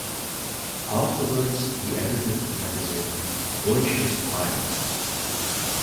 Afterwards he edited the magazine "Deutsches Heim".